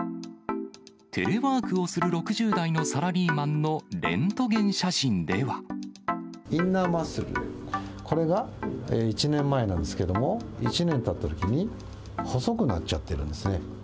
テレワークをする６０代のサインナーマッスル、これが１年前なんですけれども、１年たったときに、細くなっちゃってるんですね。